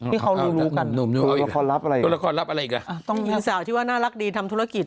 ที่เขารู้กันคือละครลับอะไรอีกละต้องยิงสาวที่ว่าน่ารักดีทำธุรกิจ